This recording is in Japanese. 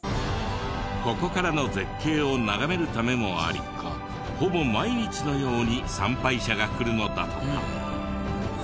ここからの絶景を眺めるためもありほぼ毎日のように参拝者が来るのだとか。